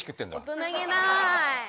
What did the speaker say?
大人げない。